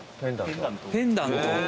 ペンダントを。